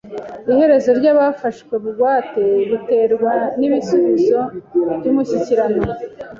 Iherezo ryabafashwe bugwate biterwa nibisubizo byumushyikirano.